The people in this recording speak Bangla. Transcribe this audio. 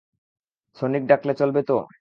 সনিক ডাকলে চলবে তো?